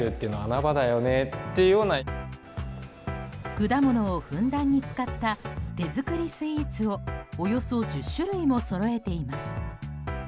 果物をふんだんに使った手作りスイーツをおよそ１０種類もそろえています。